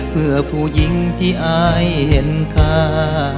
เพื่อผู้หญิงที่อายเห็นค่า